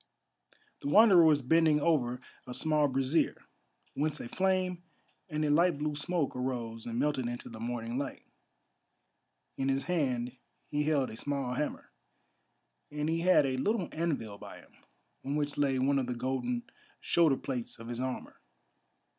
The Wanderer was bending over a small brazier, whence a flame and a light blue smoke arose and melted into the morning light. In his hand he held a small hammer, and he had a little anvil by him, on which lay one of the golden shoulder plates of his armour.